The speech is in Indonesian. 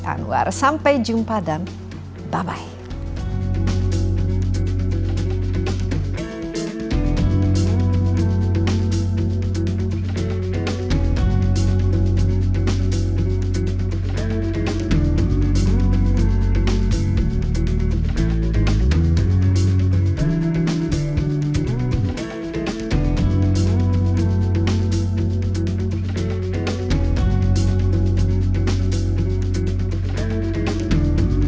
anwar sampai jumpa dan bye bye bye